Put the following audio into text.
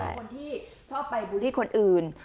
คนที่ชอบไปบูลลี่คนอื่น